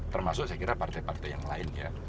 termasuk saya kira partai partai yang lain ya